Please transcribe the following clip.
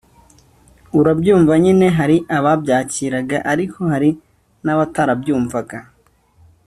Urabyumva nyine hari ababyakiraga ariko hari n’abatarabyumvaga